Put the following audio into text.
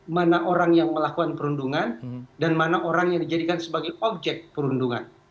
mana orang yang melakukan perundungan dan mana orang yang dijadikan sebagai objek perundungan